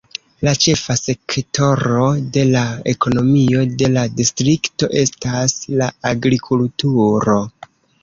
La ĉefa sektoro de la ekonomio de la distrikto estas la agrikulturo.